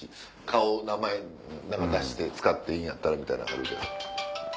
顔名前出して使っていいんやったらみたいな。